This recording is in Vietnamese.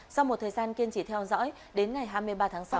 sau một thời gian kiên trì theo dõi đến ngày hai mươi ba tháng sáu